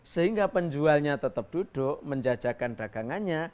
sehingga penjualnya tetap duduk menjajakan dagangannya